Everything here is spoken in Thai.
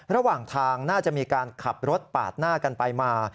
ระหว่างทางน่าจะมีการขับรถปาดหน้ากันไปมา